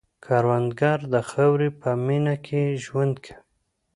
کروندګر د خاورې په مینه کې ژوند کوي